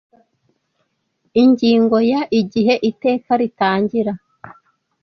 Ingingo ya Igihe Iteka ritangira